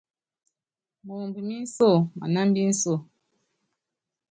Moomb mí nso manámb inso.